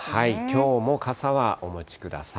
きょうも傘はお持ちください。